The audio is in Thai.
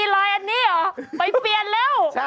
เปิดแปปเดียวเอ๊ะ